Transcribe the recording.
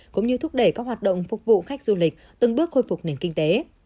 cũng như thúc đẩy các hoạt động phục vụ khách du lịch từng bước khôi phục nền kinh tế